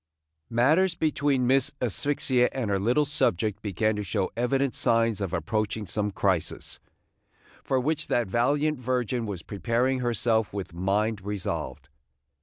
MATTERS between Miss Asphyxia and her little subject began to show evident signs of approaching some crisis, for which that valiant virgin was preparing herself with mind resolved.